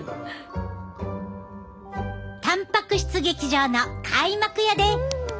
「たんぱく質劇場」の開幕やで！